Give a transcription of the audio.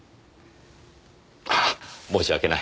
ああ申し訳ない。